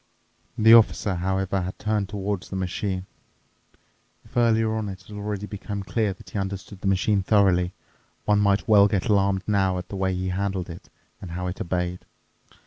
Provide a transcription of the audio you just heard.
The Officer, however, had turned towards the machine. If earlier on it had already become clear that he understood the machine thoroughly, one might well get alarmed now at the way he handled it and how it obeyed.